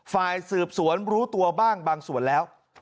ฝ่ายสืบสวนรู้ตัวบ้างบางส่วนแล้ว